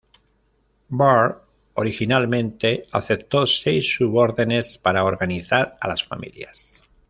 Barr originalmente aceptó seis subórdenes para organizar a las familias.